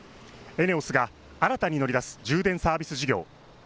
ＥＮＥＯＳが新たに乗り出す充電サービス事業。